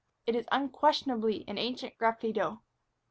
It is unquestionably an ancient graffito."